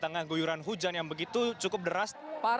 tetapi untuk berjalan lancar